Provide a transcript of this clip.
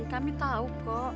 kami tahu kok